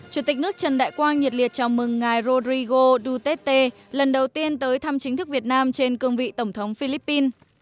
chủ tịch nước trần đại quang nhiệt liệt chào mừng ngài rodrigo duterte lần đầu tiên tới thăm chính thức việt nam trên cương vị tổng thống philippines